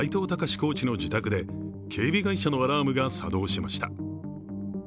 コーチの自宅で警備会社のアラームが作動しました。